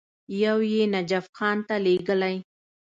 یو یې نجف خان ته لېږلی.